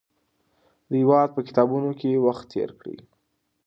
د هېواد په کتابتونونو کې وخت تېر کړئ.